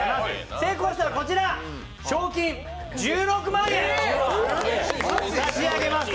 成功したらこちら、賞金１６万円差し上げます。